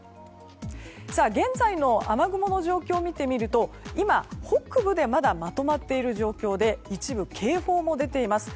現在の雨雲の状況を見てみると今、北部でまだまとまっている状況で一部警報も出ています。